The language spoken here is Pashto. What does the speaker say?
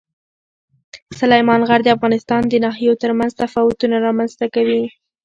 سلیمان غر د افغانستان د ناحیو ترمنځ تفاوتونه رامنځته کوي.